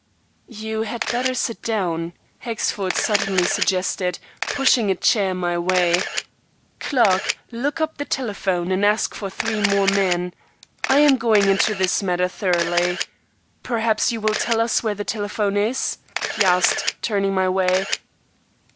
"You had better sit down," Hexford suddenly suggested, pushing a chair my way. "Clarke, look up the telephone and ask for three more men. I am going into this matter thoroughly. Perhaps you will tell us where the telephone is," he asked, turning my way.